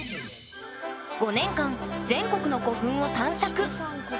５年間全国の古墳を探索。